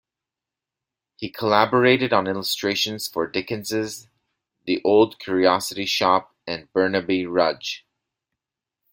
He collaborated on illustrations for Dickens's "The Old Curiosity Shop" and "Barnaby Rudge".